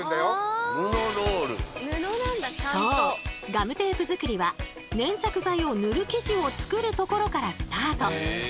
ガムテープ作りは粘着剤を塗る生地を作るところからスタート。